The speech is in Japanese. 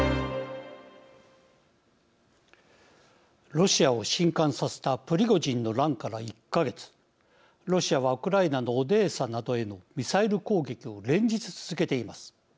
ロシアをしんかんさせたプリゴジンの乱から１か月ロシアはウクライナのオデーサなどへのミサイル攻撃を連日続けています。